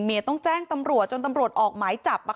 ต้องแจ้งตำรวจจนตำรวจออกหมายจับ